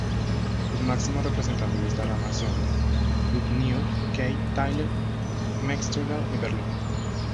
Los máximos representantes de esta rama son: Goodenough, Kay, Tyler, Metzger y Berlín.